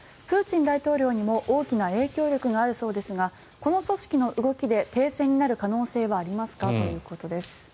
プーチン大統領にも大きな影響力があるそうですがこの組織の動きで停戦になる可能性はありますか？ということです。